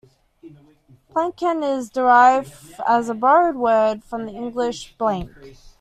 "Plenken" is derived as a borrowed word from the English "blank".